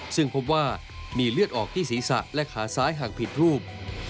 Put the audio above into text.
ซึ่งพบว่ามีเลือดออกที่ศีรษะและขาซ้ายหักผิดรูป